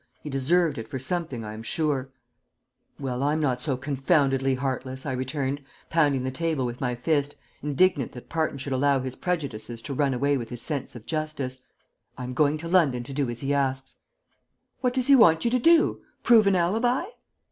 He deserved it for something, I am sure " "Well, I'm not so confoundedly heartless," I returned, pounding the table with my fist, indignant that Parton should allow his prejudices to run away with his sense of justice. "I'm going to London to do as he asks." "What does he want you to do? Prove an alibi?"